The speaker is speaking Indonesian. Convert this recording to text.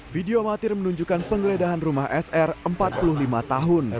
video amatir menunjukkan penggeledahan rumah sr empat puluh lima tahun